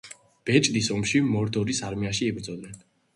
ბეჭდის ომში მორდორის არმიაში იბრძოდნენ.